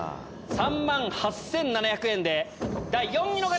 ３万８７００円で第４位の方！